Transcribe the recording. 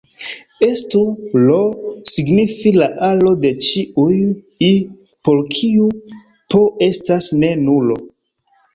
Estu "I" signifi la aro de ĉiuj "i" por kiu "p" estas ne nulo.